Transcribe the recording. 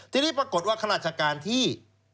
ทีนี้ปรากฏว่าข้าราชการที่